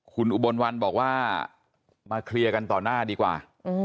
คุณอุบลวันบอกว่ามาเคลียร์กันต่อหน้าดีกว่า